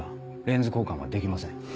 レンズ交換はできません。